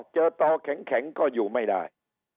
ต่อแข็งก็อยู่ไม่ได้